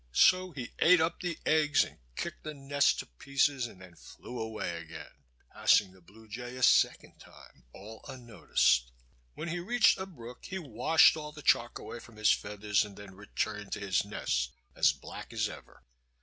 So he ate up the eggs and kicked the nest to pieces and then flew away again, passing the Blue Jay a second time all unnoticed. When he reached a brook he washed all the chalk away from his feathers and then returned to his nest as black as ever.